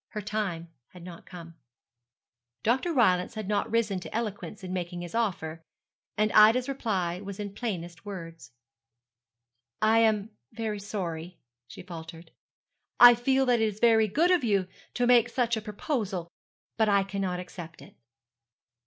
Her time had not come. Dr. Rylance had not risen to eloquence in making his offer; and Ida's reply was in plainest words. 'I am very sorry,' she faltered. 'I feel that it is very good of you to make such a proposal; but I cannot accept it.'